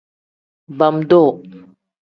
Bam-duu.